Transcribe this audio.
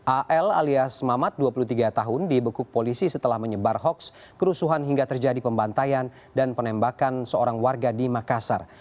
al alias mamat dua puluh tiga tahun dibekuk polisi setelah menyebar hoax kerusuhan hingga terjadi pembantaian dan penembakan seorang warga di makassar